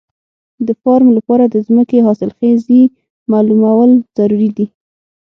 د فارم لپاره د ځمکې حاصلخېزي معلومول ضروري دي.